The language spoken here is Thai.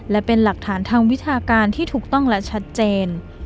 และเป็นหลักฐานทางวิชาการที่ถูกต้องและชัดเจน